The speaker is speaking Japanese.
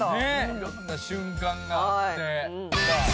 いろんな瞬間があって。